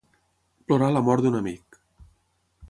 Plorar la mort d'un amic.